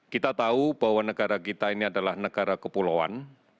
kita tahu bahwa negara kita ini adalah negara kepulauan